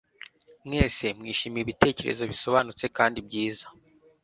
Mwese mwishimiye ibitekerezo bisobanutse kandi byiza